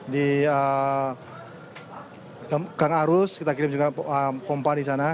di gang arus kita kirim juga pompa di sana